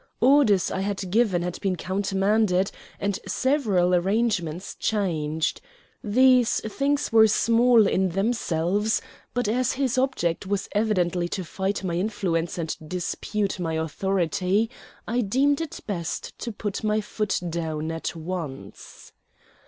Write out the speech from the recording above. Orders I had given had been countermanded, and several arrangements changed. These things were small in themselves, but as his object was evidently to fight my influence and dispute my authority, I deemed it best to put my foot down at once.